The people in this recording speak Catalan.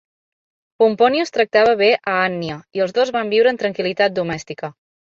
Pomponius tractava bé a Annia i els dos van viure en tranquil·litat domèstica.